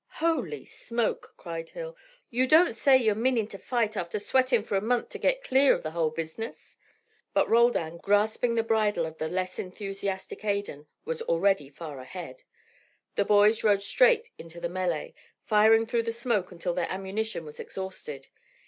"Holy smoke!" cried Hill. "You don't say you're meanin' to fight after sweatin' fur a month to git clear of the hull business?" But Roldan, grasping the bridle of the less enthusiastic Adan, was already far ahead. The boys rode straight into the melee, firing through the smoke until their ammunition was exhausted.